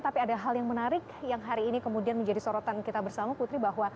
tapi ada hal yang menarik yang hari ini kemudian menjadi sorotan kita bersama putri bahwa